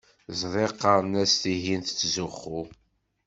Ẓriɣ qqaren-as tihin tettzuxxu.